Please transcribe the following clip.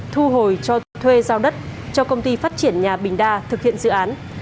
thu hồi cho thuê giao đất cho công ty phát triển nhà bình đa thực hiện dự án